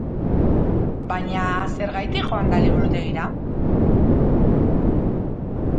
Baina zergatik joan da liburutegira?